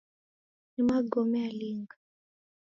Ni magome alinga?